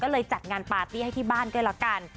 ก็เลยจัดงานปาร์ตี้ให้ที่บ้านด้วยละกัน